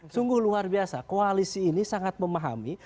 sungguh luar biasa koalisi ini sangat memahami